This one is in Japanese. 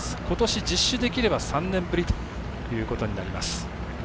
ことし、実施できれば３年ぶりということになります。